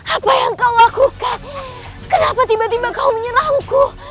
apa yang kau lakukan kenapa tiba tiba kau menyerangku